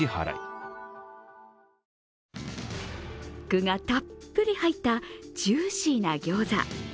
具がたっぷり入ったジューシーなギョーザ。